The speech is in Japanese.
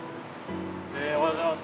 おはようございます。